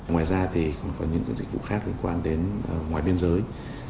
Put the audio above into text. ngoài ra thì còn có những dịch vụ khác liên quan đến ngoài biên giới